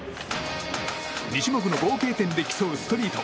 ２種目の合計点で競うストリート。